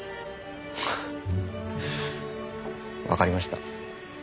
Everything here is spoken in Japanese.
フッわかりました。